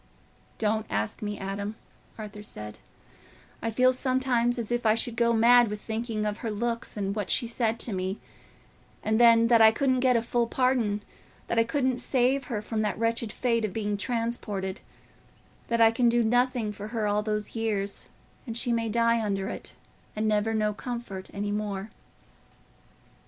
"Don't ask me, Adam," Arthur said; "I feel sometimes as if I should go mad with thinking of her looks and what she said to me, and then, that I couldn't get a full pardon—that I couldn't save her from that wretched fate of being transported—that I can do nothing for her all those years; and she may die under it, and never know comfort any more."